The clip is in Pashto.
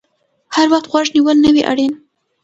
هر وخت غوږ نیول نه وي اړین